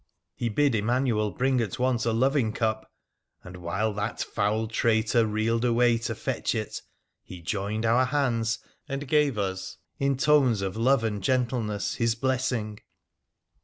He bid Emanuel bring at once a loving cup, and, while that foul traitor reeled away to fetch it, he joined our hands and gave us, in tones of love and gentleness, his blessing.